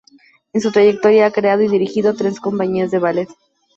En su trayectoria ha creado y dirigido tres compañías de ballet.